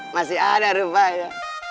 masih ada rupanya